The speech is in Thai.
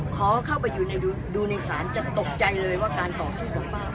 ขอเข้าไปดูในศาลจะตกใจเลยว่าการต่อสู้ของป้า